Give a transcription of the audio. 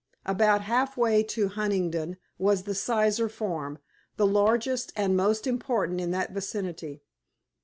About halfway to Huntingdon was the Sizer Farm, the largest and most important in that vicinity.